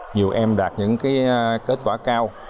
nhiều em đạt những kết quả cao